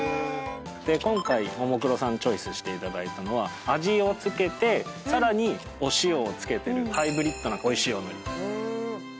今回ももクロさんチョイスしていただいたのは味を付けてさらにお塩を付けてるハイブリッドなおいしいおのり。